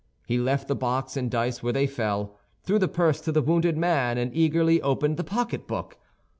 He left the box and dice where they fell, threw the purse to the wounded man, and eagerly opened the pocketbook.